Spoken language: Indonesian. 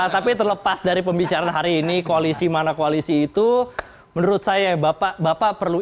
tapi terlepas dari pembicaraan hari ini koalisi mana koalisi itu menurut saya bapak bapak perlu